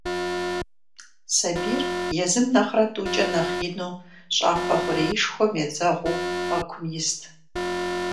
Сэбийр езым нэхърэ тӏукӏэ нэхъ ину щӏакхъуэ хъурейшхуэм едзэгъуу пӏэкум ист.